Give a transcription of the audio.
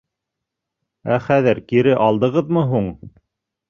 — Ә хәҙер кире алдығыҙмы һуң?